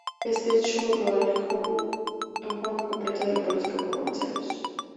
Este hecho lo alejó en forma completa de la política por once años.